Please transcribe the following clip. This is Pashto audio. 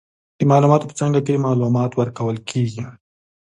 د معلوماتو په څانګه کې، معلومات ورکول کیږي.